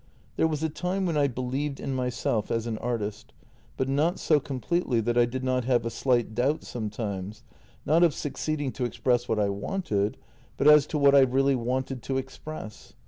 " There was a time when I believed in myself as an artist, but not so completely that I did not have a slight doubt sometimes, not of succeeding to express what I wanted, but as to what I really wanted to express.